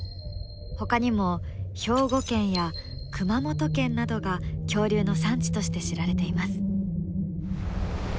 ほかにも兵庫県や熊本県などが恐竜の産地として知られています。